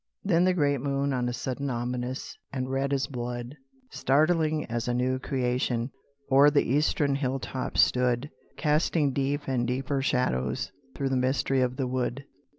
Then the great moon on a sudden Ominous, and red as blood, Startling as a new creation, O'er the eastern hill top stood, Casting deep and deeper shadows Through the mystery of the wood.